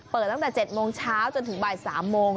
ตั้งแต่๗โมงเช้าจนถึงบ่าย๓โมง